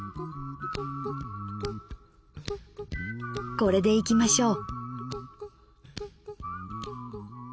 これでいきましょう。